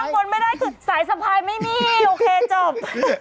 ข้างบนไม่ได้สายสะพายไม่มีโอเคจบ